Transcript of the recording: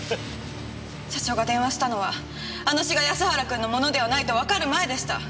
社長が電話したのはあの詩が安原君のものではないとわかる前でした。